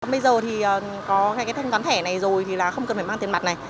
bây giờ thì có cái thanh toán thẻ này rồi thì là không cần phải mang tiền mặt này